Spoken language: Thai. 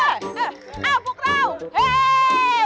เอ้าพวกเราเฮ่ย